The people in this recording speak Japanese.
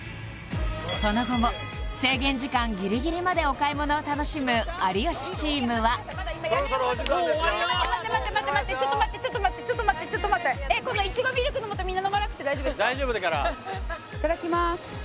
その後も制限時間ギリギリまでお買い物を楽しむ有吉チームはちょっと待ってちょっと待ってちょっと待ってちょっと待ってこのいちごミルクのもとみんないただきまーす